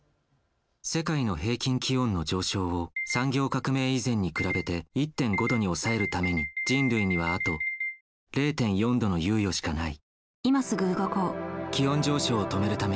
世界の平均気温の上昇を産業革命以前に比べて１．５℃に抑えるために人類にはあと０．４℃の猶予しかない。